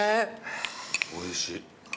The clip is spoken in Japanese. おいしい。